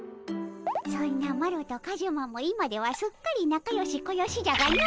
そんなマロとカジュマも今ではすっかりなかよしこよしじゃがの。